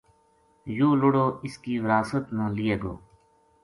یوہ لُڑو اس کی وراثت نا لیے گو